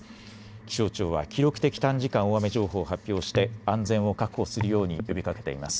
気象庁は記録的短時間大雨情報を発表して安全を確保するように呼びかけています。